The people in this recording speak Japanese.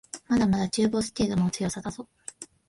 まだまだ中ボス程度の強さだぞ